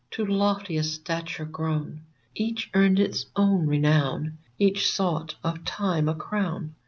To loftiest stature grown, Each earned its own renown ; Each sought of Time a crown.